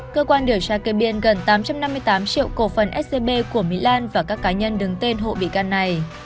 cơ quan điều tra kê biên gần tám trăm năm mươi tám triệu cổ phần scb của mỹ lan và các cá nhân đứng tên hộ bị can này